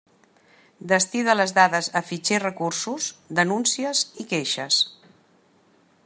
Destí de les dades a fitxer recursos, denuncies i queixes.